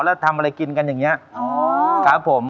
แล้วทำอะไรกินกันอย่างนี้ครับผม